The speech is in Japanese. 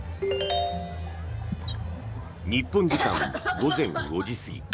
日本時間午前５時過ぎ